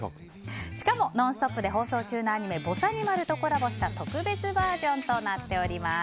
しかも「ノンストップ！」で放送中のアニメ「ぼさにまる」とコラボした特別バージョンとなっております。